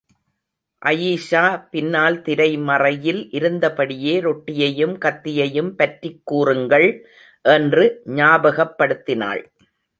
அயீஷா பின்னால் திரைமறையில் இருந்தபடியே ரொட்டியையும் கத்தியையும் பற்றிக் கூறுங்கள் என்று ஞாபகப்படுத்தினாள்.